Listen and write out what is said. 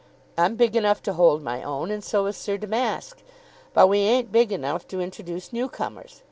I'm big enough to hold my own, and so is Sir Damask. But we ain't big enough to introduce new comers.